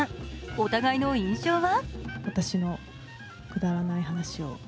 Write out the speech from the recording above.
お互いの印象は？